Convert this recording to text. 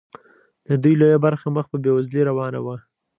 د دوی لویه برخه مخ په بیوزلۍ روانه وه.